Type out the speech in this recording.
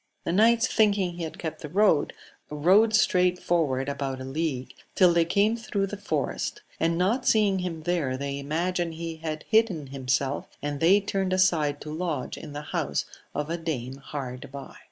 The knights thinking he had kept the road, rode straight forward about a league till they came through the forest, and not seeing him there they imagined he had hidden himself, and they turned aside to lodge in the house of a dame hard by.